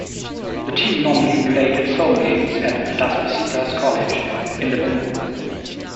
The team normally played its home games at Las Positas College, in Livermore.